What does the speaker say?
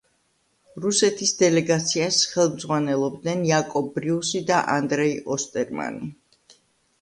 რუსეთის დელეგაციას ხელმძღვანელობდნენ იაკობ ბრიუსი და ანდრეი ოსტერმანი.